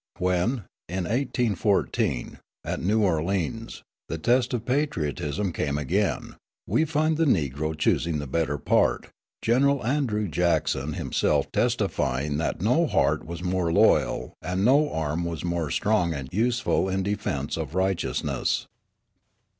When, in 1814, at New Orleans, the test of patriotism came again, we find the Negro choosing the better part, General Andrew Jackson himself testifying that no heart was more loyal and no arm was more strong and useful in defence of righteousness.